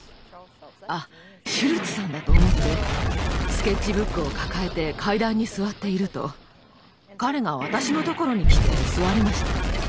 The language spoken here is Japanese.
「あっシュルツさんだ」と思ってスケッチブックを抱えて階段に座っていると彼が私のところに来て座りました。